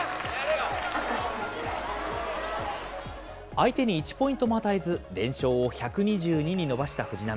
相手に１ポイントも与えず、連勝を１２２に伸ばした藤波。